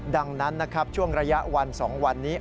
ดังนั้นนะครับช่วงระยะวัน๒วันนี้